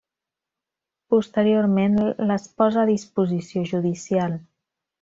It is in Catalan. Posteriorment les posa a disposició judicial.